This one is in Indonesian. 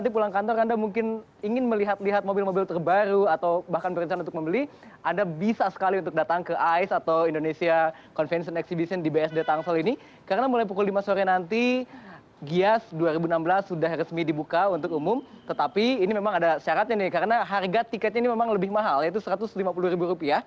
pada hari ini ada harga tiketnya lebih mahal yaitu rp satu ratus lima puluh